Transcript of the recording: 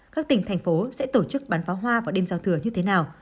các tỉnh thành phố sẽ tổ chức bán pháo hoa vào đêm giao thừa như thế nào